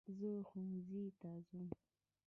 زہ ښوونځي ته ځم